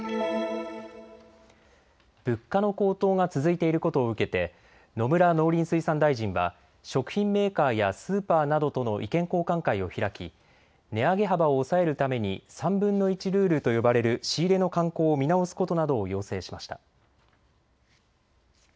物価の高騰が続いていることを受けて野村農林水産大臣は食品メーカーやスーパーなどとの意見交換会を開き値上げ幅を抑えるために３分の１ルールと呼ばれる仕入れの慣行を見直すことなどを要請しました。